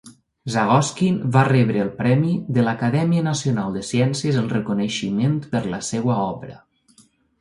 Zagoskin va rebre el premi de l'acadèmia nacional de ciències en reconeixement per la seva obra.